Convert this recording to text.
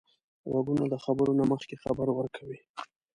غوږونه د خبرو نه مخکې خبر ورکوي